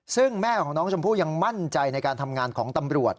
ซึ่งแม่ของน้องชมพู่ยังมั่นใจในการทำงานของตำรวจ